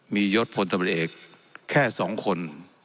มียศพลตำรวจเอกแค่๒คน